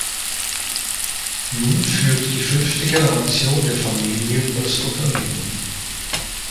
Nun führt die fünfte Generation der Familie das Unternehmen.